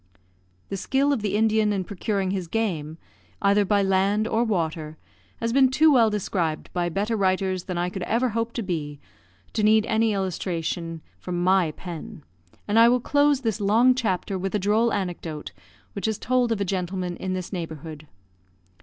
The skill of the Indian in procuring his game, either by land or water, has been too well described by better writers than I could ever hope to be to need any illustration from my pen, and I will close this long chapter with a droll anecdote which is told of a gentleman in this neighbourhood.